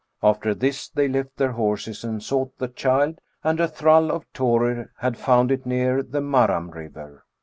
' After this they left their horses and sought the child, and a thrall of Thorir had found it near the Marram river.